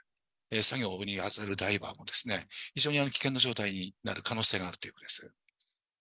作業に当たるダイバーも、非常に危険な状態になる可能性があるということです。